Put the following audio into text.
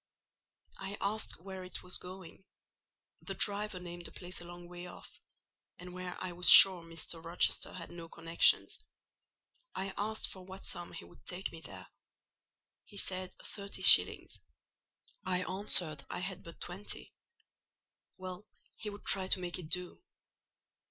I asked where it was going: the driver named a place a long way off, and where I was sure Mr. Rochester had no connections. I asked for what sum he would take me there; he said thirty shillings; I answered I had but twenty; well, he would try to make it do.